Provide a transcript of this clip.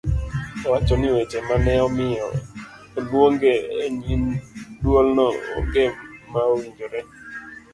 Owacho ni weche mane omiyo oluonge e nyim duolno onge ma owinjore